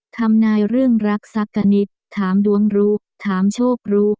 ทำนายเรื่องรักสักกะนิดถามดวงรู้ถามโชครู้